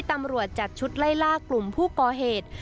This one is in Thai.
ตำรวจจัดชุดไล่ล่ากลุ่มผู้ก่อเหตุ